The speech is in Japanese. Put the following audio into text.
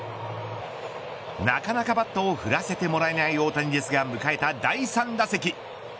なかなかバットを振らせてもらえない大谷ですが迎えた第３打席。